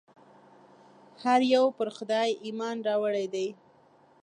هر یو پر خدای ایمان راوړی دی.